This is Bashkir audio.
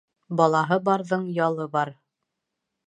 Балаһы барҙың ялы бар.